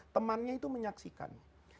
temannya itu menyaksikan